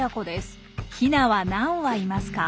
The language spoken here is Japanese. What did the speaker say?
ヒナは何羽いますか？